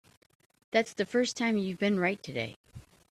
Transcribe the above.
That's the first time you've been right today.